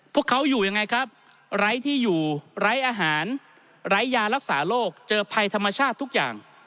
พวกเขาอยู่ยังไงครับไร้ที่อยู่ไร้อาหารไร้ยารักษาโรคเจอภัยธรรมชาติทุกอย่าง